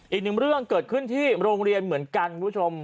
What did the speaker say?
อีกหนึ่งเรื่องเกิดขึ้นที่โรงเรียนเหมือนกันคุณผู้ชม